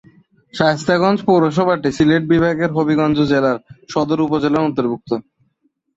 শায়েস্তাগঞ্জ পৌরসভাটি সিলেট বিভাগের হবিগঞ্জ জেলার সদর উপজেলার অন্তর্ভুক্ত।